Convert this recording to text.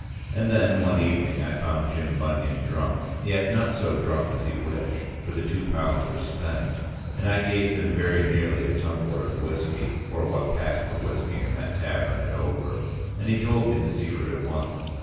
And then one evening I found Jim Bunion drunk, yet not so drunk as he wished, for the two pounds were spent; and I gave him very nearly a tumbler of whiskey, or what passed for whiskey in that tavern at Over, and he told me the secret at once.